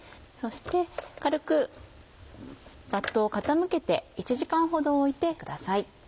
そして軽くバットを傾けて１時間ほど置いてください。